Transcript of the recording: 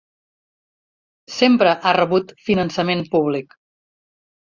Sempre ha rebut finançament públic.